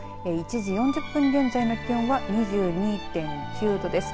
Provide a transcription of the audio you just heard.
１時４０分現在の気温は２８．１度です。